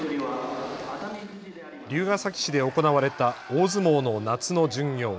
龍ケ崎市で行われた大相撲の夏の巡業。